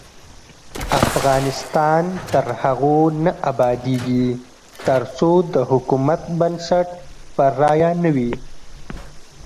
افغانستان تر هغو نه ابادیږي، ترڅو د حکومت بنسټ پر رایه نه وي.